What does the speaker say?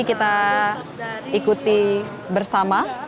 kita ikuti bersama